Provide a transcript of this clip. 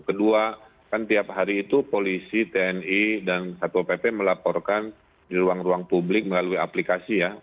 kedua kan tiap hari itu polisi tni dan satwa pp melaporkan di ruang ruang publik melalui aplikasi ya